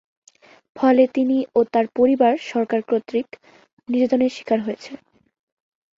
ফলে তিনি ও তাঁর পরিবার সরকার কর্তৃক নির্যাতনের শিকার হয়েছিলেন।